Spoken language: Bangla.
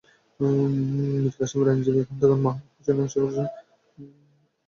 মীর কাসেমের আইনজীবী খন্দকার মাহবুব হোসেন আশা করছেন, মীর কাসেম খালাস পাবেন।